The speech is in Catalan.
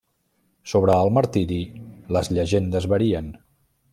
Sobre el martiri, les llegendes varien.